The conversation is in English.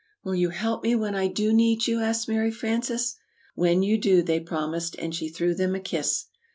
"Will you help me when I do need you?" asked Mary Frances. "When you do," they promised, and she threw them a kiss.